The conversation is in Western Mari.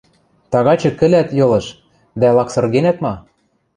Тагачы кӹлӓт йылыш, дӓ лаксыргенӓт ма?